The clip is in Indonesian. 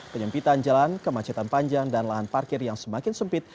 penyempitan jalan kemacetan panjang dan lahan parkir yang semakin sempit